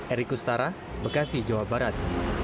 eri kustara bekasi jawa barat